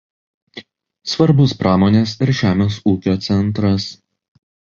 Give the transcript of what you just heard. Svarbus pramonės ir žemės ūkio centras.